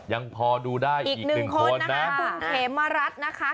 ยังพอดูได้อีกหนึ่งคนนะคะคุณเขมรัฐนะคะอีกหนึ่งคนนะคะ